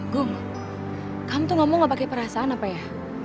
gung kamu tuh ngomong gak pakai perasaan apa ya